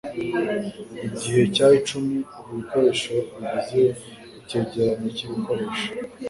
Igice cya-icumi ibikoresho bigize icyegeranyo cyibikoresho.